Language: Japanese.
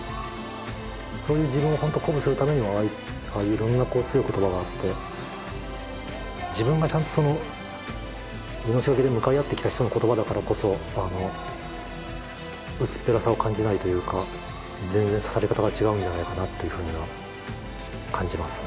そういう自分をほんと鼓舞するためにもああいういろんな強い言葉があって自分がちゃんと命懸けで向かい合ってきた人の言葉だからこそ薄っぺらさを感じないというか全然刺さり方が違うんじゃないかなっていうふうには感じますね。